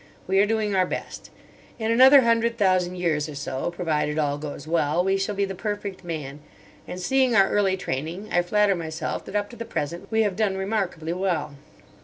We are doing our best. In another hundred thousand years or so, provided all goes well, we shall be the perfect man. And seeing our early training, I flatter myself that, up to the present, we have done remarkably well."